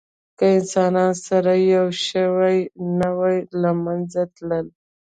که انسانان سره یو شوي نه وی، له منځه تلل.